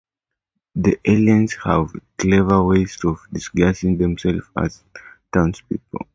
The aliens have clever ways of disguising themselves as townspeople.